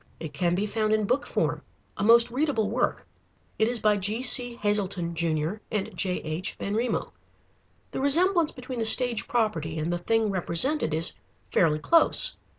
It can be found in book form, a most readable work. It is by G.C. Hazelton, Jr., and J.H. Benrimo. The resemblance between the stage property and the thing represented is fairly close.